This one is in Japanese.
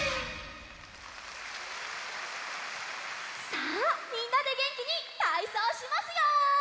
さあみんなでげんきにたいそうしますよ！